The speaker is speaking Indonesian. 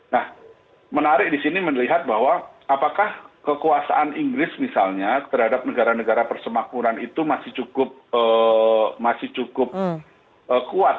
nah menarik di sini melihat bahwa apakah kekuasaan inggris misalnya terhadap negara negara persemakmuran itu masih cukup kuat